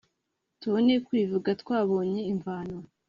tubone kwivuga twabonye imvano